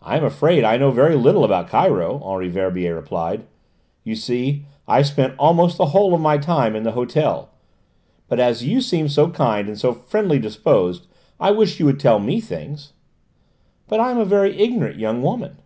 "I'm afraid I know very little about Cairo," Henri Verbier replied; "you see I spent almost the whole of my time in the hotel. But as you seem so kind and so friendly disposed I wish you would tell me things." "But I am a very ignorant young woman."